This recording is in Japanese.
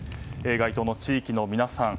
該当の地域の皆さん